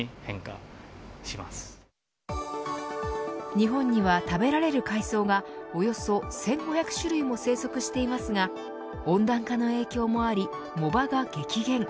日本には食べられる海藻がおよそ１５００種類も生息していますが温暖化の影響もあり藻場が激減。